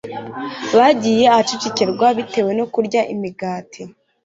bagiye ahacecekerwa bitewe no kurya imigati